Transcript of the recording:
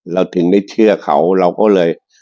เราถึงได้เชื่อเขาเราก็เลย